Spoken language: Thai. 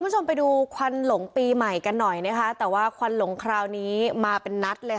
คุณผู้ชมไปดูควันหลงปีใหม่กันหน่อยนะคะแต่ว่าควันหลงคราวนี้มาเป็นนัดเลยค่ะ